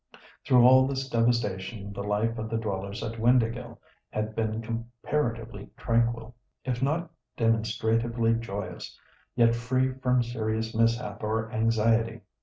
Through all this devastation the life of the dwellers at Windāhgil had been comparatively tranquil; if not demonstratively joyous, yet free from serious mishap or anxiety.